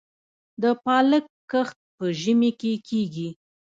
د پالک کښت په ژمي کې کیږي؟